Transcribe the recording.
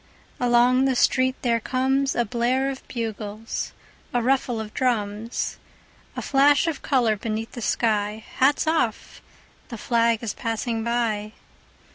Along the street there comesA blare of bugles, a ruffle of drums,A flash of color beneath the sky:Hats off! The flag is passing by!